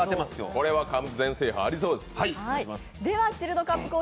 これは完全制覇ありそうです。